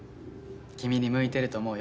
君に向いてると思うよ。